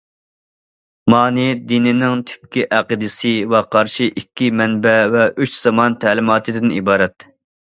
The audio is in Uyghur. مانى دىنىنىڭ تۈپكى ئەقىدىسى ۋە قارىشى ئىككى مەنبە ۋە ئۈچ زامان تەلىماتىدىن ئىبارەت.